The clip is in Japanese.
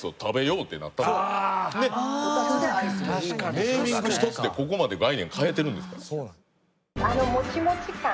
ネーミングひとつでここまで概念変えてるんですから。